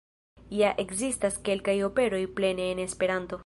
Ja ekzistas kelkaj operoj plene en Esperanto.